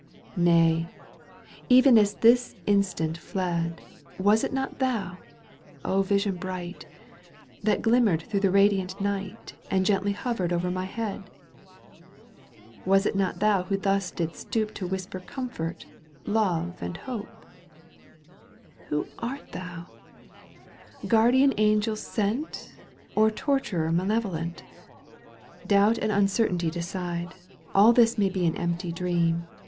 Kay ! even as this instant fled. Was it not thou, vision bright. That glimmered through the radiant night And gently hovered o'er my head ? Was it not thou who thus didst stoop To whisper comfort, love and hope ?— Who art thou ? Guardian angel sent Or torturer malevolent 1 Doubt and uncertainty decide : All this may be an empty dream.